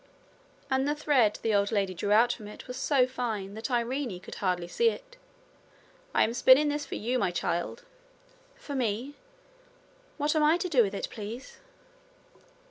And the thread the old lady drew out from it was so fine that Irene could hardly see it. 'I am spinning this for you, my child.' 'For me! What am I to do with it, please?'